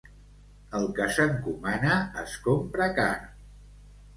El que s'encomana es compra car.